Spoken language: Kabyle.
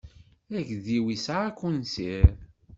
Agdi-iw isɛa akunsir.